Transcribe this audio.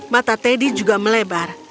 mata teddy juga melebar